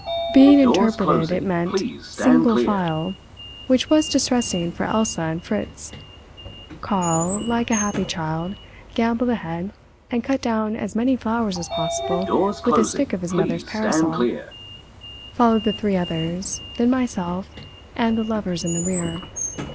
Being interpreted, it meant "single file", which was distressing for Elsa and Fritz. Karl, like a happy child, gambolled ahead, and cut down as many flowers as possible with the stick of his mother's parasol—followed the three others—then myself—and the lovers in the rear.